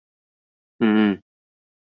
嗯嗯